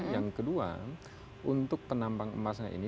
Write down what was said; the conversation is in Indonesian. yang kedua untuk penambang emasnya ini